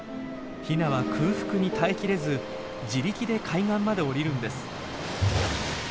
ヒナは空腹に耐えきれず自力で海岸まで降りるんです。